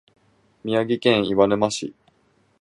宮城県岩沼市